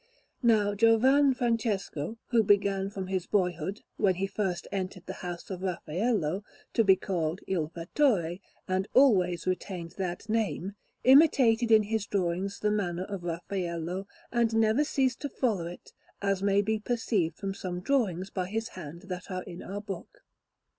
Now Giovan Francesco, who began from his boyhood, when he first entered the house of Raffaello, to be called Il Fattore, and always retained that name, imitated in his drawings the manner of Raffaello, and never ceased to follow it, as may be perceived from some drawings by his hand that are in our book.